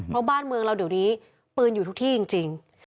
เพราะบ้านเมืองเราเดี๋ยวนี้ปืนอยู่ทุกที่จริง